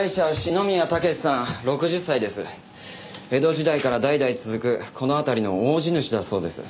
江戸時代から代々続くこの辺りの大地主だそうです。